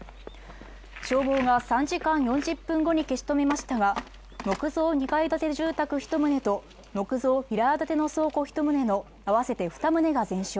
消防が３時間４０分後に消し止めましたが、木造２階建て住宅１棟と木造平屋建ての倉庫１棟の合わせて２棟が全焼。